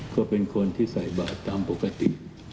ก็เป็นคนที่ใส่บาทตามปกติ